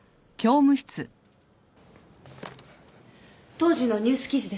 当時のニュース記事です。